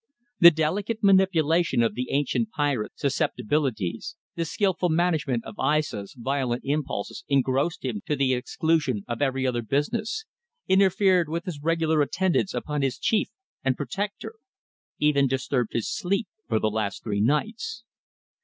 The delicate manipulation of the ancient pirate's susceptibilities, the skilful management of Aissa's violent impulses engrossed him to the exclusion of every other business interfered with his regular attendance upon his chief and protector even disturbed his sleep for the last three nights.